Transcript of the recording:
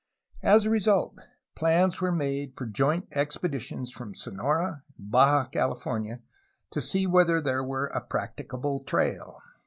As a result, plans were made for joint expeditions from Sonora and Baja Cali fornia to see whether there were a practicable trail.